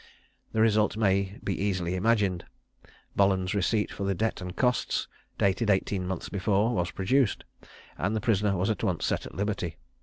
The result may be easily imagined: Bolland's receipt for the debt and costs, dated eighteen months before, was produced, and the prisoner was at once set at liberty.